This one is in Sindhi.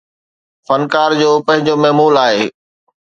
فنڪار جو پنهنجو معمول آهي